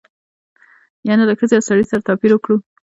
یعنې له ښځې او سړي سره توپیر وکړو.